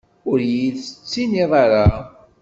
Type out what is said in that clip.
Ur iyi-d-tettinid ara?